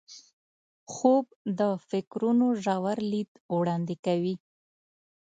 خوب د فکرونو ژور لید وړاندې کوي